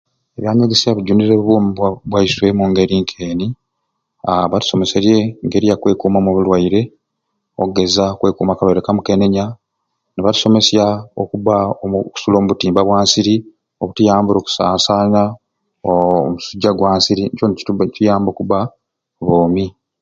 Ebyanyegesya bijunire obwoomi bwa bwa bwaiswe omungeri k'eni, aa batusomeserye engeri yakwekuumamu obulwaire oggeza okwekuuma akalwaire ka mukenenya nibatusomesya okubba omu okusula omutimba bwa nsiri obutuyambire okusasaana oo musujja gwa nsiri ekyo nikibba nikiyamba okubba boomi